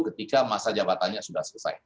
ketika masa jabatannya sudah selesai